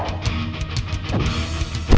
untuk men frente aja